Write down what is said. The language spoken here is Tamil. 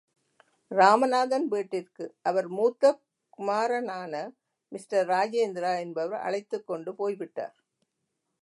ராமநாதன் வீட்டிற்கு, அவர் மூத்த குமாரனான மிஸ்டர் ராஜேந்திரா என்பவர் அழைத்துக்கொண்டு போய்விட்டார்.